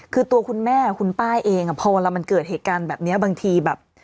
คือตัวคุณแม่คุณป้าเองพอเวลามันเกิดเหตุการณ์แบบนี้บางทีแบบ